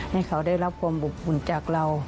ให้เขาได้รับความอบอุ่นจากเรา